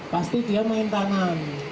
pasti dia main tangan